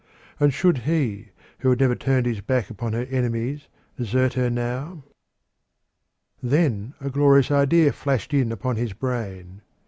And should he, who had never turned his back upon her enemies, desert her now? Then a glorious idea flashed in upon his brain.